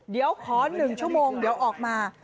เดี๋ยวขอ๑ชั่วโมงออกมา